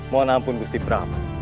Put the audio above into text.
mohon ampun gusti pramu